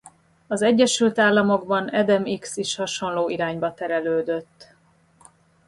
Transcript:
Az Egyesült Államokban Adam X is hasonló irányba terelődött.